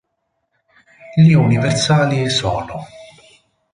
Gli universali sono